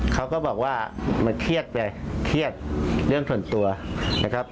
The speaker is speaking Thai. เขาก็บอกว่ามันเครียดไปเครียดเรื่องส่วนตัวนะครับ